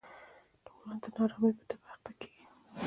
ټولنه د نا ارامۍ په تبه اخته کېږي.